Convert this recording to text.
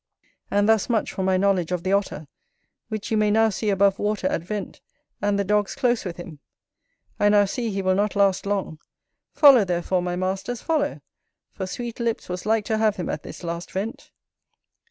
And thus much for my knowledge of the Otter; which you may now see above water at vent, and the dogs close with him; I now see he will not last long. Follow, therefore, my masters, follow; for Sweetlips was like to have him at this last vent.